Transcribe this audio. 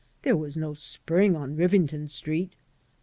There was no spring on Rivington Street.